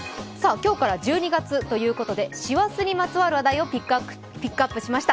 今日から１２月ということで師走にまつわる話題をピックアップしました。